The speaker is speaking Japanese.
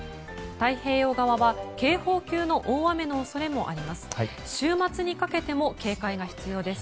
太平洋側は警報級の大雨の恐れもあります。